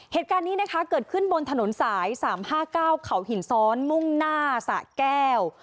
เหตุการณ์นี้นะคะเกิดขึ้นบนถนนสาย๓๕๙เขาหินซ้อนมุ่งหน้าสะแก้ว